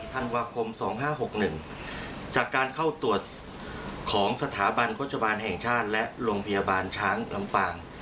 ธันวาคม๒๕๖๑จากการเข้าตรวจของสถาบันโฆษบาลแห่งชาติและโรงพยาบาลช้างลำปาง